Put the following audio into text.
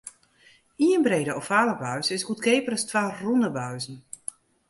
Ien brede ovale buis is goedkeaper as twa rûne buizen.